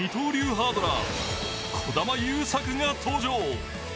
ハードラー児玉悠作が登場。